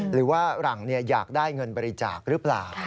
หรือว่าหลังอยากได้เงินบริจาคหรือเปล่า